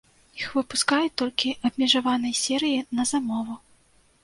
Іх выпускаюць толькі абмежаванай серыяй, на замову.